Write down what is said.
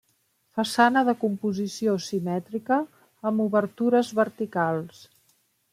Façana de composició simètrica, amb obertures verticals.